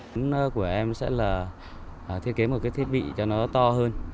thứ nhất của em sẽ là thiết kế một cái thiết bị cho nó to hơn